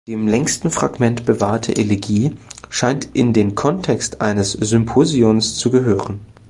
Die im längsten Fragment bewahrte Elegie scheint in den Kontext eines Symposions zu gehören.